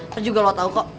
nanti juga lo tau kok